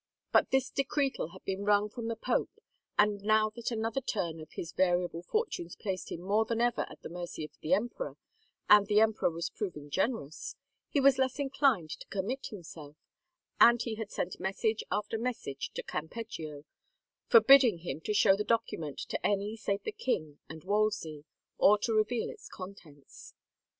But this decretal had been wrung from the pope and now that another turn of his variable fortunes placed him more than ever at 178 THE QUEEN SPEAKS the mercy of the emperor and the emperor was proving generous, hq was less inclined to commit himself and he had sent message after message to Campeggio, for bidding him to show the document to any save the king and Wolsey, or to reveal its contents.